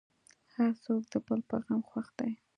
هر څوک د بل په غم خوښ دی.